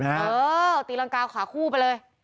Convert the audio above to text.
เออตีรังกาวขาคู่ไปเลย